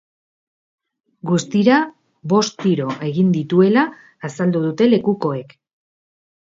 Guztira bost tiro egin dituela azaldu dute lekukoek.